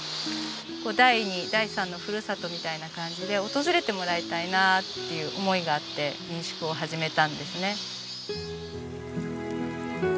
第二第三のふるさとみたいな感じで訪れてもらいたいなっていう思いがあって民宿を始めたんですね。